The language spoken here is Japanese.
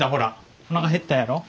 おなか減ったやろ？